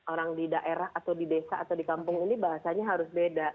orang di daerah atau di desa atau di kampung ini bahasanya harus beda